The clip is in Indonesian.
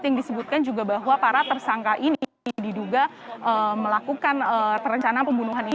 yang disebutkan juga bahwa para tersangka ini diduga melakukan perencanaan pembunuhan ini